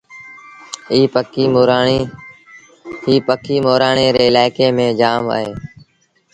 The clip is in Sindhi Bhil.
ايٚ پکي مورآڻي ري الآئيڪي ميݩ جآم اهي۔